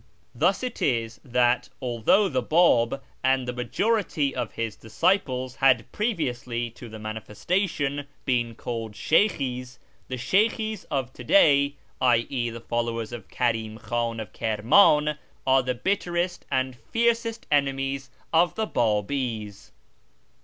Thus it is that, although the Bab and ! the majority of his disciples had previously to the " manifesta tion " been called Sheykhis, the Sheykhis of to day {i.e. the followers of Karim Khan of Kirman) are the bitterest and fiercest enemies of the Babis.